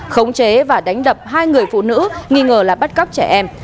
khống chế và đánh đập hai người phụ nữ nghi ngờ là bắt cóc trẻ em